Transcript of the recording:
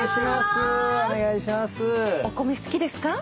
お米好きですか？